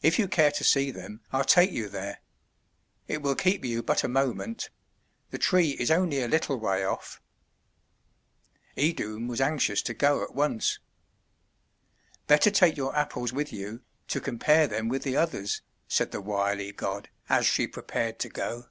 "If you care to see them I'll take you there. It will keep you but a moment. The tree is only a little way off." Idun was anxious to go at once. "Better take your Apples with you, to compare them with the others," said the wily god, as she prepared to go.